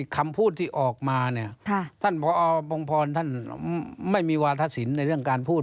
คำพูดที่ออกมาเนี่ยท่านพอบงพรท่านไม่มีวาทศิลป์ในเรื่องการพูด